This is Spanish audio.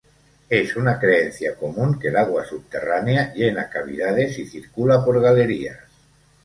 Es una creencia común que el agua subterránea llena cavidades y circula por galerías.